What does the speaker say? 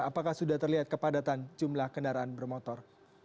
apakah sudah terlihat kepadatan jumlah kendaraan bermotor